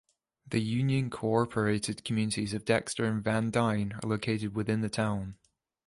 The unincorporated communities of Dexter and Van Dyne are located within the town.